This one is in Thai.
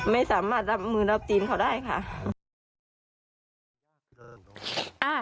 ไม่สามารถรับมือรับตีนเขาได้ค่ะ